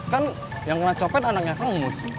kan yang kena copet anaknya kang mus